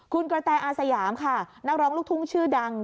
คุณกระแตอาสยามค่ะนักร้องลูกทุ่งชื่อดัง